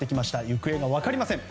行方が分かりません。